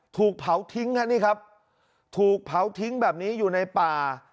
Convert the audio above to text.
ถูกเผาทิ้งฮะนี่ครับถูกเผาทิ้งแบบนี้อยู่ในป่า